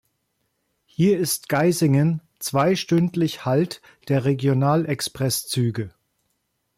Hier ist Geisingen zweistündlich Halt der Regional-Express-Züge.